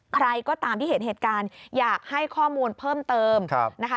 ใครก็ตามที่เห็นเหตุการณ์อยากให้ข้อมูลเพิ่มเติมนะคะ